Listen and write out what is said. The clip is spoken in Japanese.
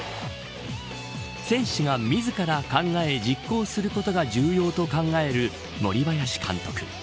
選手が自ら考え、実行することが重要と考える森林監督。